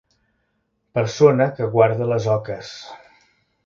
Persona que guarda les oques.